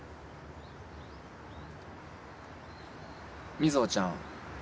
瑞穂ちゃん。